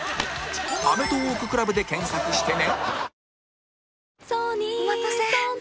「アメトーーク ＣＬＵＢ」で検索してね